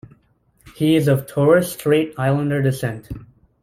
He is of Torres Strait Islander descent.